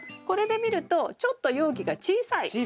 これで見るとちょっと容器が小さい。